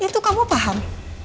itu kamu paham